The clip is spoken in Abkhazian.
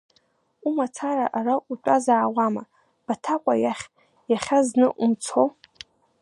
Умацара ара утәазаауама, Баҭаҟәа иахь иахьа зны умцо!